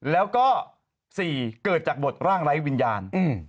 แล้วก็๔เกิดจากบทร่างไร้วิญญาณ